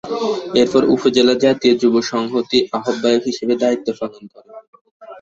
এরপর উপজেলা জাতীয় যুব সংহতির আহ্বায়ক হিসেবে দায়িত্ব পালন করে।